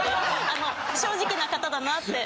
あの正直な方だなって。